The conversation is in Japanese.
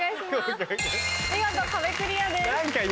見事壁クリアです。